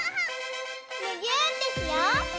むぎゅーってしよう！